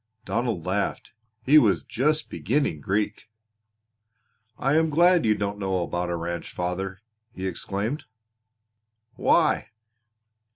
Donald laughed. He was just beginning Greek. "I am glad you don't know about a ranch, father," he exclaimed. "Why?"